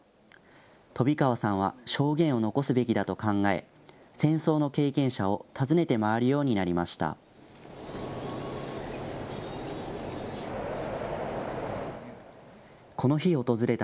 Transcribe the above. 飛川さんは証言を残すべきだと考え、戦争の経験者を訪ねて回るようになりました。